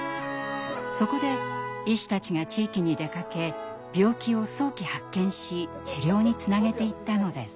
そこで医師たちが地域に出かけ病気を早期発見し治療につなげていったのです。